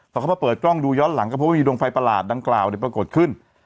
พอเขามาเปิดกล้องดูย้อนหลังก็พบว่ามีดวงไฟประหลาดดังกล่าวปรากฏขึ้น